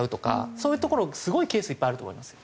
そういう所すごいケースいっぱいあると思いますよ。